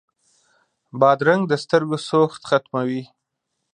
بادرنګ د سترګو سوخت ختموي.